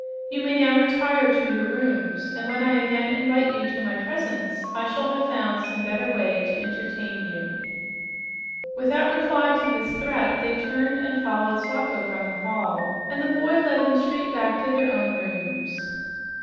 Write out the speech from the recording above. You may now retire to your rooms, and when I again invite you to my presence, I shall have found some better ways to entertain you." Without reply to this threat, they turned and followed Sacho from the hall, and the boy led them straight back to their own rooms.